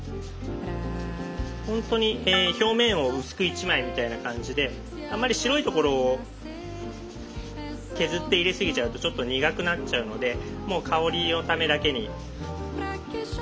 ほんとに表面を薄く１枚みたいな感じであんまり白いところを削って入れすぎちゃうとちょっと苦くなっちゃうのでもう香りのためだけに。